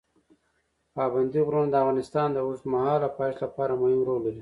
پابندی غرونه د افغانستان د اوږدمهاله پایښت لپاره مهم رول لري.